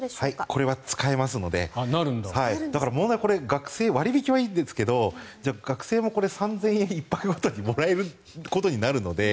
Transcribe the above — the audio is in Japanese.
これは使えますのでだから、問題は学生、割引はいいんですけど学生も３０００円１泊ごとにもらえることになるので。